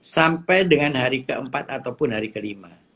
sampai dengan hari keempat ataupun hari kelima